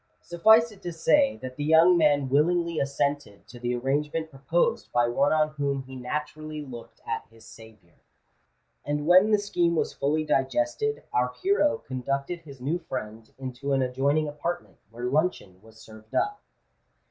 Suffice it to say that the young man willingly assented to the arrangement proposed by one on whom he naturally looked at his saviour; and when the scheme was fully digested, our hero conducted his new friend into an adjoining apartment, where luncheon was served up.